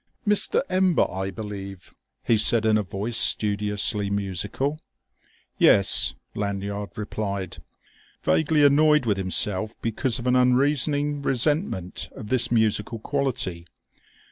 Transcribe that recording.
"Mr. Ember, I believe?" he said in a voice studiously musical. "Yes," Lanyard replied, vaguely annoyed with himself because of an unreasoning resentment of this musical quality.